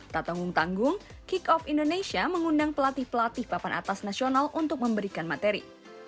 tak tanggung tanggung kick off indonesia mengundang pelatih pelatih papan atas nasional untuk memberikan materi